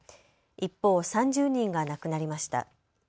一方、３０人が亡くなりました。